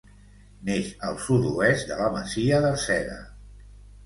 Neix al sud-oest de la masia d'Arceda.